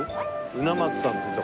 鰻松さんっていう所。